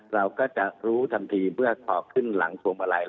เราก็จะรู้ทันทีเมื่อขอขึ้นหลังทวงบะไหล่